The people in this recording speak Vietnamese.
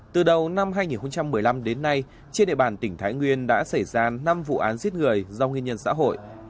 từ đầu năm hai nghìn một mươi năm đến nay trên địa bàn tỉnh thái nguyên đã xảy ra năm vụ án giết người do nguyên nhân xã hội